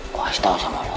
gue masih tau sama bubar